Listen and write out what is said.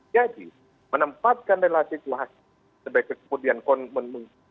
jadi menempatkan relasi kuasa sebagai sebuah kemudian